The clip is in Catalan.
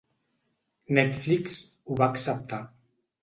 Netflix ho va acceptar.